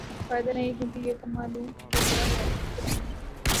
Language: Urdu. فائدہ نہیں کیونکہ یہ تو معلوم ہوچکا کہ دھرنے